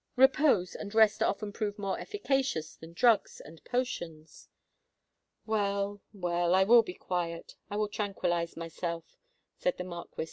"Repose and rest often prove more efficacious than drugs and potions." "Well—well—I will be quiet—I will tranquillise myself," said the Marquis.